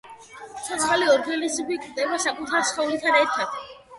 ცოცხალი ორგანიზმი კვდება საკუთარ სხეულთან ერთად.